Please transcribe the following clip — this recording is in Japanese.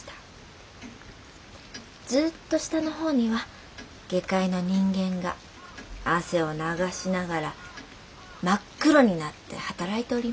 ずっと下の方には下界の人間が汗を流しながら真っ黒になって働いておりました。